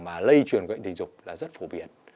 mà lây truyền nguyện tình dục là rất phổ biến